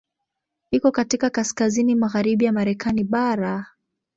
Iko katika kaskazini magharibi ya Marekani bara.